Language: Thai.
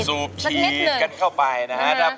สูบฉีดกันเข้าไปนะครับ